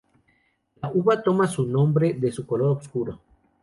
La uva toma su nombre de su color oscuro.